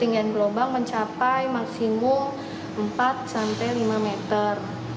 ketinggian gelombang mencapai maksimum empat sampai lima meter